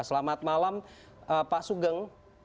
selamat malam pak sugeng